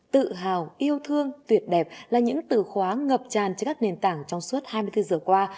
tự hào yêu thương tuyệt đẹp là những từ khóa ngập tràn trên các nền tảng trong suốt hai mươi bốn giờ qua